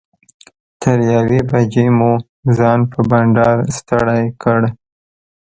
تر یوې بجې مو ځان په بنډار ستړی کړ.